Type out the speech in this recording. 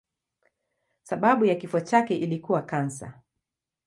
Sababu ya kifo chake ilikuwa kansa.